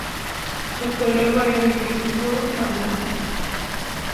Su color varía de gris obscuro a blanco.